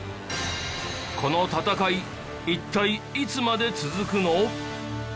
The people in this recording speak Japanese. この戦い一体いつまで続くの？